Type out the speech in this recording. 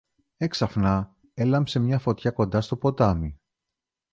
Έξαφνα έλαμψε μια φωτιά κοντά στο ποτάμι.